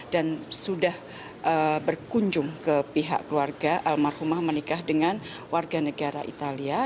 sudah berkunjung ke pihak keluarga almarhumah menikah dengan warga negara italia